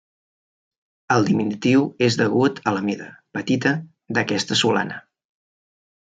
El diminutiu és degut a la mida, petita, d'aquesta solana.